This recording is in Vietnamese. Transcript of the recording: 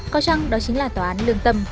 có chăng đó chính là tòa án lương tâm